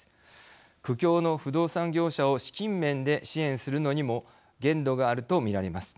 苦境の不動産業者を資金面で支援するのにも限度があると見られます。